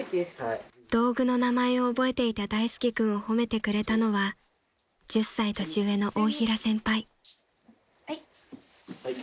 ［道具の名前を覚えていた大介君を褒めてくれたのは１０歳年上の大平先輩］